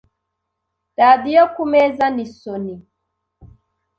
Radiyo kumeza ni Sony .